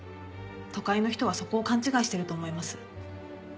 都会の人はそこを勘違いしてると思います。